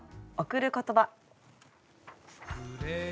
「贈る言葉」。